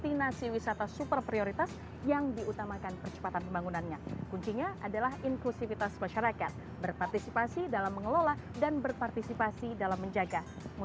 di tn komodo empat destinasi wisata super prioritas yang diutamakan percepatan pembangunannya kuncinya adalah inklusivitas masyarakat berpartisipasi dalam mengelola dan berpartisipasi dalam menjaga